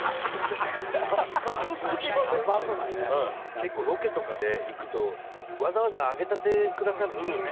結構ロケとかで行くとわざわざ揚げたてくださるんですよね。